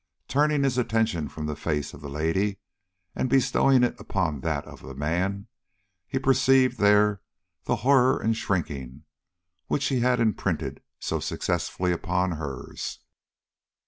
Turning his attention from the face of the lady and bestowing it upon that of the man, he perceived there the horror and shrinking which he had imprinted so successfully upon hers.